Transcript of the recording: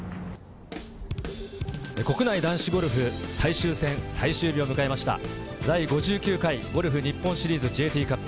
国内男子ゴルフ最終戦最終日を迎えました、第５９回ゴルフ日本シリーズＪＴカップ。